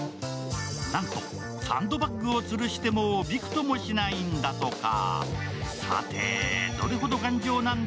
なんとサンドバッグをつるしてもびくともしないんだとか。